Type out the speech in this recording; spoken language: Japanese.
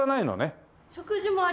食事もあります。